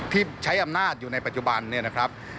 ที่ใช้อำนาจอยู่ในปัจจุบันเนี่ยนะครับ